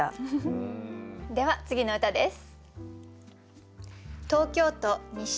では次の歌です。